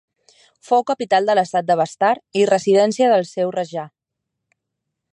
Fou capital de l'estat de Bastar i residència del seu rajà.